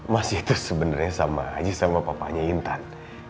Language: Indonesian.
mas itu sebenernya sama aja sama papanya intan